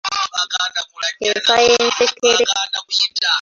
Enfa y'ensekere.